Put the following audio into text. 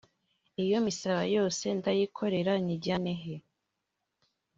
“iyo misaraba yose ndayikorera nyijyane he